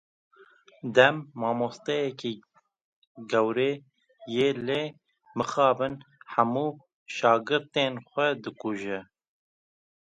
Dem, mamosteyekî gewre ye lê mixabin hemû şagirtên xwe dikuje.